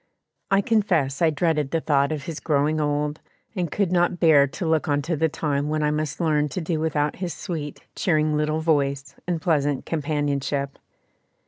I confess I dreaded the thought of his growing old, and could not bear to look on to the time when I must learn to do without his sweet, cheering little voice and pleasant companionship.